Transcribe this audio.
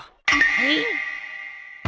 えっ！？